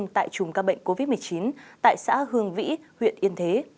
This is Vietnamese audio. tại chùm ca bệnh covid một mươi chín tại xã hương vĩ huyện yên thế